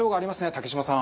竹島さん。